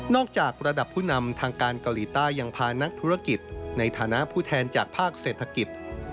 จากระดับผู้นำทางการเกาหลีใต้ยังพานักธุรกิจในฐานะผู้แทนจากภาคเศรษฐกิจ